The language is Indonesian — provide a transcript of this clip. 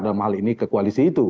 dalam hal ini ke koalisi itu